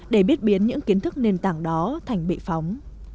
để biết biến những kiến thức nền tảng đó thành bị phóng